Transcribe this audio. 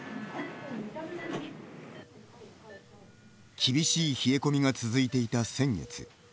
厳しい冷え込みが続いていた先月。